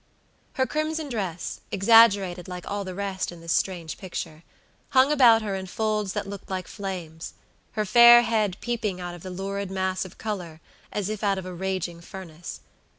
Her crimson dress, exaggerated like all the rest in this strange picture, hung about her in folds that looked like flames, her fair head peeping out of the lurid mass of color as if out of a raging furnace.